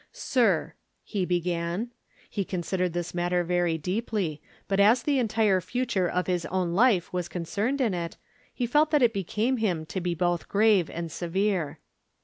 "SIR," he began. He considered this matter very deeply; but as the entire future of his own life was concerned in it he felt that it became him to be both grave and severe.